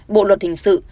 bộ luật hình sự